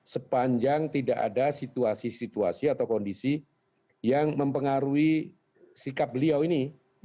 sepanjang tidak ada situasi situasi atau kondisi yang mempengaruhi sikap beliau ini